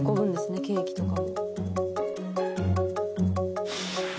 ケーキとかを。